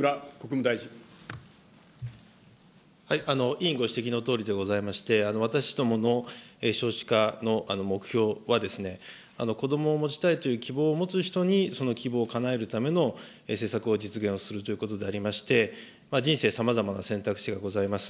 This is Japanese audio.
委員ご指摘のとおりでございまして、私どもの少子化の目標はですね、子どもを持ちたいという希望を持つ人にその希望をかなえるための施策を実現するということでありまして、人生さまざまな選択肢がございます。